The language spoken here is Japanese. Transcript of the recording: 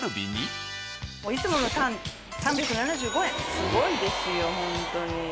すごいですよホントに。